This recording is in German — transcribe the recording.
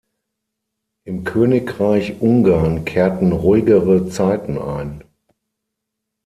Im Königreich Ungarn kehrten ruhigere Zeiten ein.